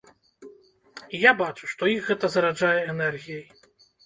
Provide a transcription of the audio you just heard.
І я бачу, што іх гэта зараджае энергіяй.